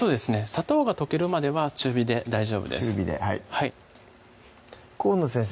砂糖が溶けるまでは中火で大丈夫です河野先生